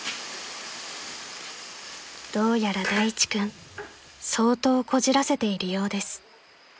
［どうやら大地君相当こじらせているようです］